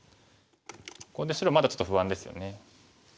ここで白まだちょっと不安ですよね。